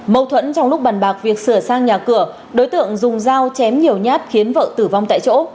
mâu thuẫn trong lúc bàn bạc việc sửa sang nhà cửa đối tượng dùng dao chém nhiều nhát khiến vợ tử vong tại chỗ